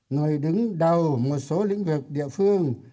người đứng đầu một số lĩnh vực địa phương